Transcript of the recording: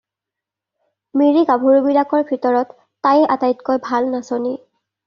মিৰি গাভৰুবিলাকৰ ভিতৰত তায়েই এটাইতকৈ ভাল নাচনী।